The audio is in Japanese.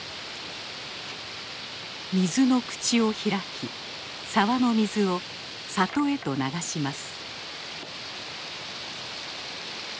水の口を開き沢の水を里へと流します。